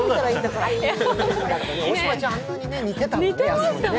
大島ちゃん、あんなに似てたんだね。